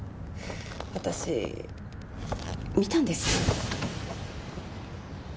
私見たんです。